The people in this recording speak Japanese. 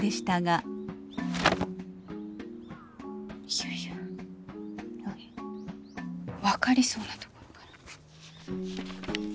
いやいや分かりそうなところがら。